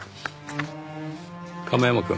亀山くん。